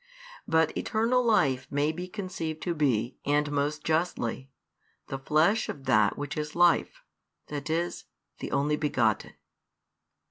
But Eternal Life may be conceived to be, and most justly, the Flesh of that which is Life, that is, the Only begotten.